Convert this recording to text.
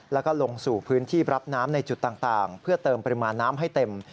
แล้วก็ลงสู่พื้นที่รับน้ำในจุดต่างเพื่อเติมปริมาณน้ำให้เต็ม